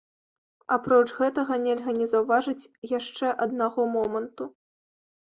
Апроч гэтага нельга не заўважыць яшчэ аднаго моманту.